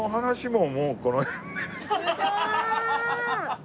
すごーい！